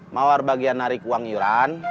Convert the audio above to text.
mawar bagian narik uang iuran